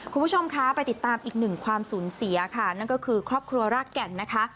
คุณผู้ชมคะไปติดตามอีกหนึ่งความสูญเสียค่ะนั่นก็คือครอบครัวรากแก่นนะคะ